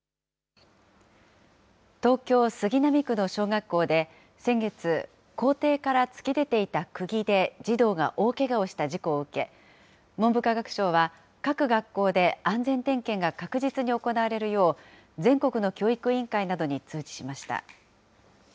東京・杉並区の小学校で先月、校庭から突き出ていたくぎで、児童が大けがをした事故を受け、文部科学省は、各学校で安全点検が確実に行われるよう、全国の教育委員会などに通知しました。